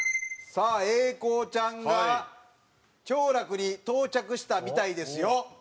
さあ英孝ちゃんが兆楽に到着したみたいですよ。